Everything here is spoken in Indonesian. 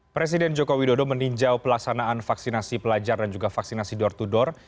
presiden joko widodo meninjau pelaksanaan vaksinasi pelajar dan juga vaksinasi door to door